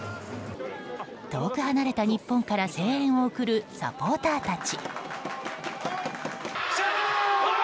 遠く離れた日本から声援を送るサポーターたち。